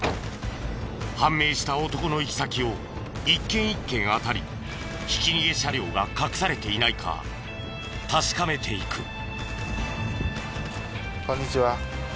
判明した男の行き先を一軒一軒当たりひき逃げ車両が隠されていないか確かめていく。